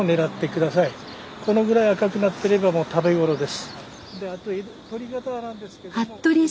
このぐらい赤くなってればもう食べ頃です。